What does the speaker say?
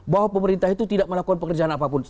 bahwa pemerintah itu tidak melakukan pekerjaan apapun